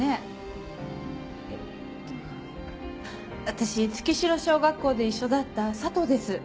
私月城小学校で一緒だった佐藤です。